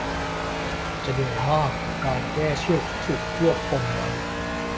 จะเหนื่อยมากกับการแก้เชือกที่ถูกรวบปมไว้